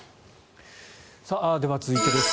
では続いてです。